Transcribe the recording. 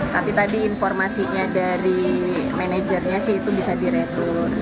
tapi tadi informasinya dari manajernya sih itu bisa diretur